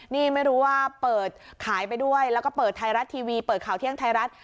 นี่ไม่รู้ว่าเปิดขายไปด้วยแล้วก็เปิดไทยรัฐทีวีเปิดข่าวเที่ยงไทยรัฐ